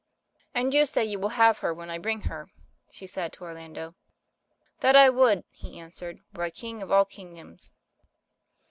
"And you say you will have her when I bring her?" she said to Orlando. "That would I," he answered, "were I king of all kingdoms."